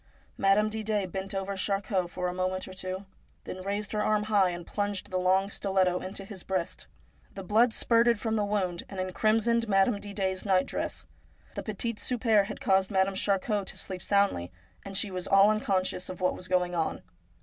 1 Madame Didet bent over Charcot for a moment or two, then raised her arm high and plunged the long stiletto into his breast. The blood spurted from the wound and encrimsoned Madame Didet's night dress. The petit souper had caused Madame Charcot to sleep soundly, and she was all unconscious of what was going on.